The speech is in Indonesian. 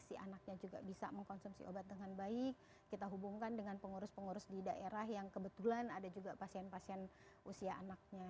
si anaknya juga bisa mengkonsumsi obat dengan baik kita hubungkan dengan pengurus pengurus di daerah yang kebetulan ada juga pasien pasien usia anaknya